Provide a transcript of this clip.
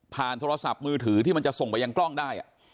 โทรศัพท์มือถือที่มันจะส่งไปยังกล้องได้